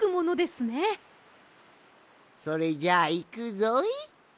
それじゃあいくぞい。